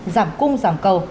giảm cung giảm cầu